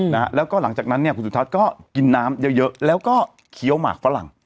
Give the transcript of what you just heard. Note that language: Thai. นะฮะแล้วก็หลังจากนั้นเนี่ยคุณสุทัศน์ก็กินน้ำเยอะเยอะแล้วก็เคี้ยวหมากฝรั่ง